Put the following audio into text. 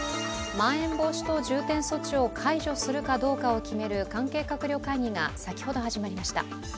まん延防止等重点措置を解除するかどうかを決める関係閣僚会議が先ほど始まりました。